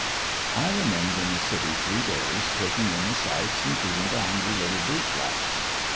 I remained in the city three days taking in the sights and feeding the hungry little boot blacks.